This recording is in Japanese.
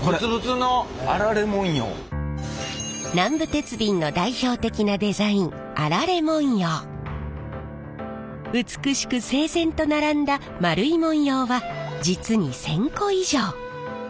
南部鉄瓶の代表的なデザイン美しく整然と並んだ丸い文様は実に１，０００個以上。